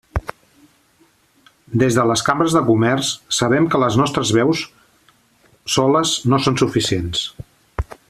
Des de les cambres de comerç sabem que les nostres veus soles no són suficients.